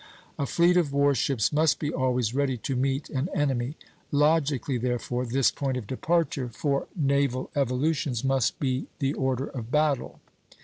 A fleet of war ships must be always ready to meet an enemy; logically, therefore, this point of departure for naval evolutions must be the order of battle.